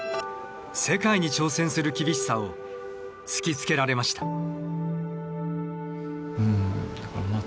世界に挑戦する厳しさを突きつけられました。